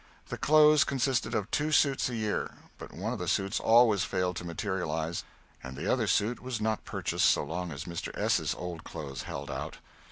The clothes consisted of two suits a year, but one of the suits always failed to materialize and the other suit was not purchased so long as Mr. S.'s old clothes held out.